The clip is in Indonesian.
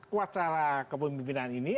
kuat secara kepemimpinan ini